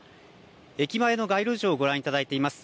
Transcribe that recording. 駅前の街路樹をご覧いただいています。